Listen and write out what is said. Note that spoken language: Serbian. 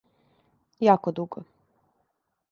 Јако дуго.